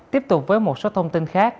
tiếp tục với một số thông tin khác